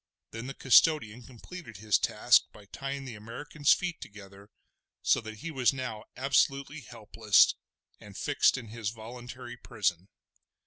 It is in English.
Then the custodian completed his task by tying the American's feet together so that he was now absolutely helpless and fixed in his voluntary prison.